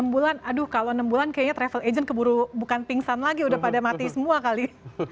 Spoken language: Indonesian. enam bulan aduh kalau enam bulan kayaknya travel agent keburu bukan pingsan lagi udah pada mati semua kali